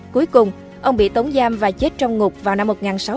cuối cùng ông bị tống giam và chết trong ngục vào năm một nghìn sáu trăm một mươi tám